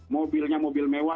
mobilnya mobil mewah